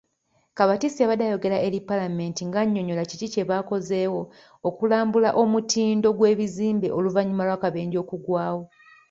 Kabatsi yabadde ayogerako eri Paalamenti ng'annyonnyola kiki kye bakozeewo okulambula omutindo gw'ebizimbe oluvannyuma lw'akabenje akaagwawo.